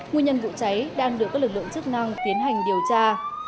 nguyên nhân vụ cháy đang được các lực lượng chức năng tiến hành điều tra